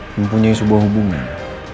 mempunyai sebuah hubungan